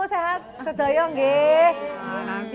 setelah itu nanti